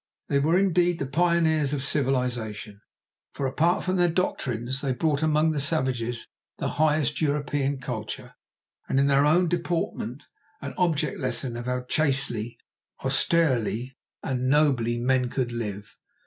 They were indeed the pioneers of civilization, for apart from doctrines they brought among the savages the highest European culture, and in their own deportment an object lesson of how chastely, austerely, and nobly men could live.